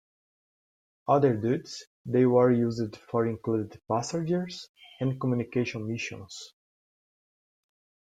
Other duties they were used for included passenger and communications missions.